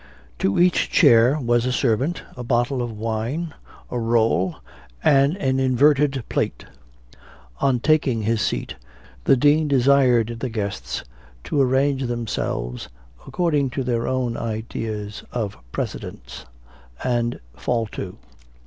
To each chair was a servant, a bottle of wine, a roll, and an inverted plate. On taking his seat, the Dean desired the guests to arrange themselves according to their own ideas of precedence, and fall to.